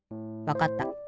わかった。